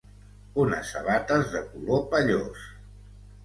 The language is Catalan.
Unes sabates de color pallós.